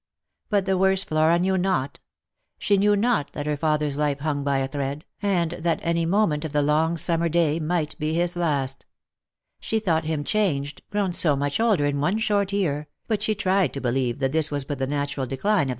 But the worst Flora knew not. She knew not that her father's life hung by a thread, and that any moment of the long summer day might be his last. She thought him changed, grown so much older in one short year, but she tried to believe that this was but the natural decline of Lost for Love.